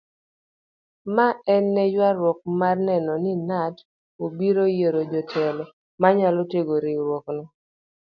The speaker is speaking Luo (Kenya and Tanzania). Ma ne en yuaruok mar neno ni knut obiro oyiero jotelo manyalo tego riwruokno.